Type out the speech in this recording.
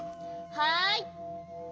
はい。